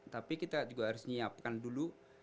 tapi kita juga harus menyiapkan dulu